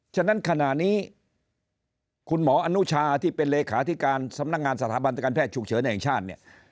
ฉะนั้นขณะนี้คุณหมออนุชาที่เป็นเลขาธิการสำนักงานสถาบันการแพทย์ฉุกเฉินแห่งชาติเนี่ย